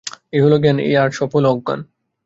এই হল জ্ঞান, আর সব অজ্ঞান।